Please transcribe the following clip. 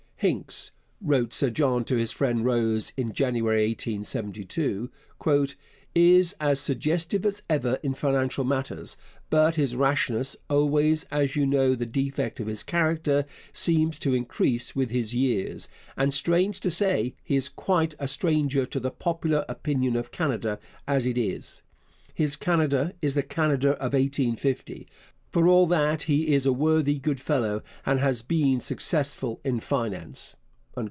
Hincks [wrote Sir John to his friend Rose in January 1872] is as suggestive as ever in financial matters, but his rashness (always, as you know, the defect of his character) seems to increase with his years, and, strange to say, he is quite a stranger to the popular opinion of Canada as it is. His Canada is the Canada of 1850. For all that he is a worthy good fellow and has been successful in finance.